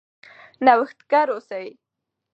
نوښتګر اوسئ.